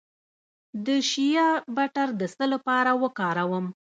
د شیا بټر د څه لپاره وکاروم؟